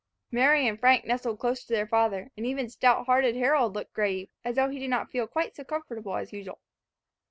Mary and Frank nestled close to their father; and even stout hearted Harold looked grave, as though he did not feel quite so comfortable as usual.